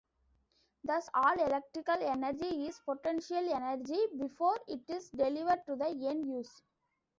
Thus, all electrical energy is potential energy before it is delivered to the end-use.